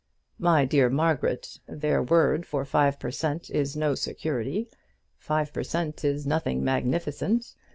"My dear Margaret, their word for five per cent is no security. Five per cent is nothing magnificent.